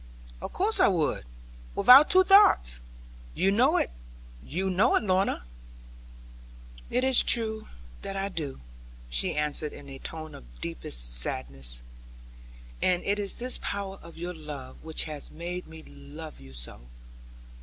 'Of course I would. Without two thoughts. You know it; you know it, Lorna.' 'It is true that I do, 'she answered in a tone of deepest sadness; 'and it is this power of your love which has made me love you so.